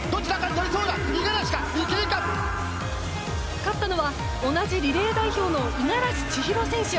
勝ったのは同じリレー代表の五十嵐千尋選手。